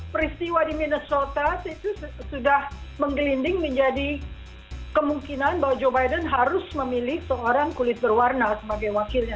peristiwa di minnesotar itu sudah menggelinding menjadi kemungkinan bahwa joe biden harus memilih seorang kulit berwarna sebagai wakilnya